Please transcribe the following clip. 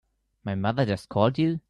My mother just called you?